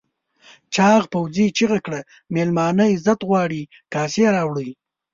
چاغ پوځي چیغه کړه مېلمانه عزت غواړي کاسې راوړئ.